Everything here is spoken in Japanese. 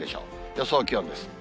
予想気温です。